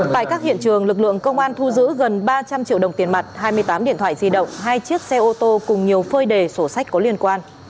tại các hiện trường lực lượng công an thu giữ gần ba trăm linh triệu đồng tiền mặt hai mươi tám điện thoại di động hai chiếc xe ô tô cùng nhiều phơi đề sổ sách có liên quan